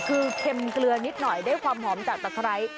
คือเค็มเกลือนิดหน่อยได้ความหอมจากตะไคร้